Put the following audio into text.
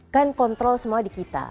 kan kontrol semua di kita